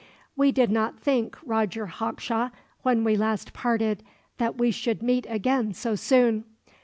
"We did not think, Roger Hawkshaw, when we last parted, that we should meet again so soon.